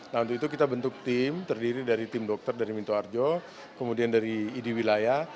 nah untuk itu kita bentuk tim terdiri dari tim dokter dari minto arjo kemudian dari idi wilayah